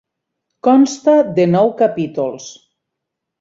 Consta de nou capítols.